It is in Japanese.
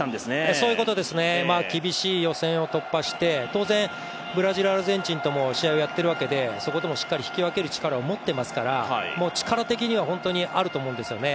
そういうことですね、厳しい予選を突破して当然、ブラジル、アルゼンチンとも試合をやっているわけでそこともしっかりと引き分ける力を持っていますから力的には本当にあると思うんですよね。